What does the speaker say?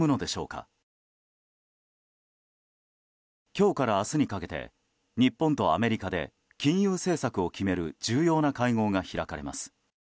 今日から明日にかけて日本とアメリカで金融政策を決める重要な会合が開かれます。